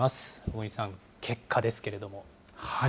小國さん、結果ですけれども。